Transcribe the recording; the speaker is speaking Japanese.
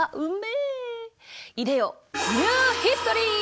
いでよニューヒストリー！